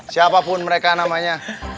siapapun mereka namanya